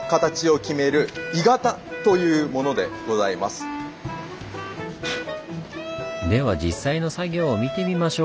本日はでは実際の作業を見てみましょう。